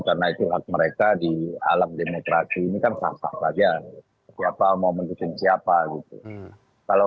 karena itu hak mereka di alam demokrasi ini kan sah sah saja siapa mau menutup siapa gitu kalau